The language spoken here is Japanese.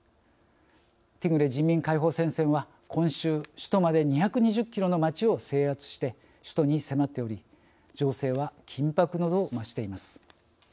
ティグレ人民解放戦線は今週首都まで２２０キロの町を制圧して首都に迫っており情勢は緊迫の度を増しています。